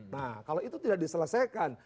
nah kalau itu tidak diselesaikan